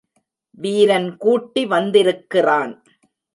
வீரன் கூட்டி வந்திருக்கிறான்.